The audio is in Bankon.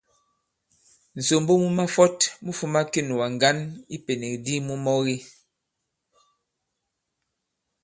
Ŋ̀sòmbo mu mafɔt mu fūma kinùgà ŋgǎn i ipènèk di mu mɔge.